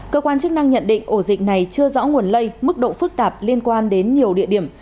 cơ quan chức năng nhận định ổ dịch này chưa rõ nguồn lây mức độ phức tạp liên quan đến nhiều địa điểm